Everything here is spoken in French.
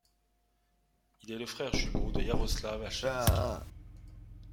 Il est le frère jumeau de Iaroslav Alchevski.